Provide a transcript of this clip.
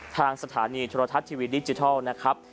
ทางสถานีโทรทัศน์ทีวีดิจิทัลนะครับ